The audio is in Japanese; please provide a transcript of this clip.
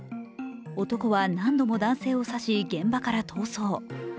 男は何度も男性を刺し、現場から逃走。